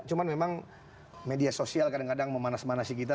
cuma memang media sosial kadang kadang memanasikan